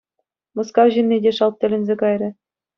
Мускав ҫынни те шалт тӗлӗнсе кайрӗ.